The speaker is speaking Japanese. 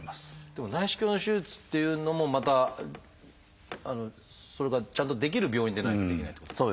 でも内視鏡の手術っていうのもまたそれがちゃんとできる病院でないとできないってことですよね。